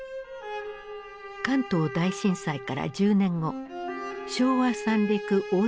関東大震災から１０年後昭和三陸大津波が発生。